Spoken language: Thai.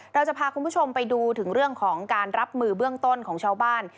เราจะพาคุณผู้ชมไปดูถึงเรื่องของการรับมือเบื้องต้นของชาวบ้าน